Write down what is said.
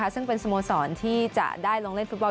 ซึ่งเป็นสโมสรที่จะได้ลงเล่นฟุตบอล